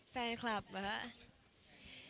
แฟนคลับเหรอค่ะ